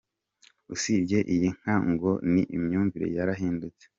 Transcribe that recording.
Usibye iyi nka ngo n’imyumvire yarahindutse.